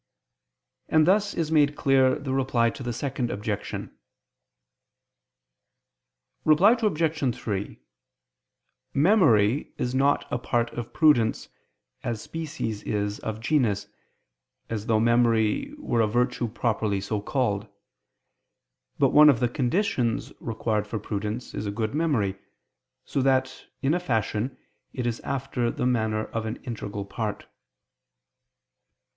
And thus is made clear the Reply to the Second Objection. Reply Obj. 3: Memory is not a part of prudence, as species is of a genus, as though memory were a virtue properly so called: but one of the conditions required for prudence is a good memory; so that, in a fashion, it is after the manner of an integral part.